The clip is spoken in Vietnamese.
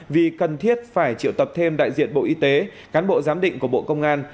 vì cần thiết phải triệu tập thêm đại diện bộ y tế cán bộ giám định của bộ công an